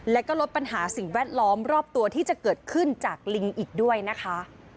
และก็ลดปัญหาสิ่งแวดล้อมรอบตัวที่จะเกิดขึ้นจากลิงอีกด้วยนะคะ